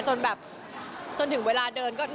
จนแบบจนถึงเวลาเดินก็